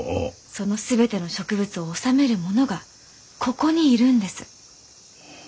その全ての植物を修める者がここにいるんです。